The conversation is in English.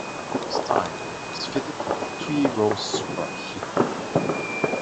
During this time it was fitted with a three row superheater.